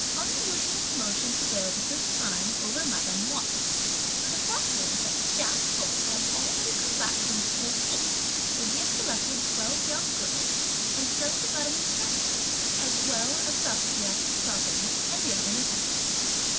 Unusual commotion prevailed, at this time, over at madame Wang's, for the fact is that Chia Se had already come back from Ku Su, where he had selected twelve young girls, and settled about an instructor, as well as about the theatrical properties and the other necessaries.